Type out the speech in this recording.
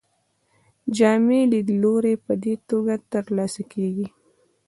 جامع لیدلوری په دې توګه ترلاسه کیږي.